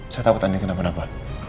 saya takut andin kena apa apa